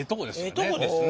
ええとこですね。